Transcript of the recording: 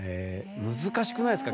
難しくないですか？